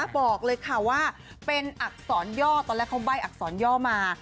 บอกเลยค่ะว่าเป็นอักษรย่อตอนแรกเขาใบ้อักษรย่อมา